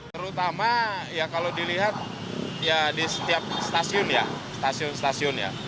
terutama ya kalau dilihat ya di setiap stasiun ya stasiun stasiun ya